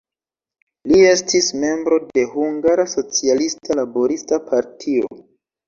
Li estis membro de Hungara Socialista Laborista Partio.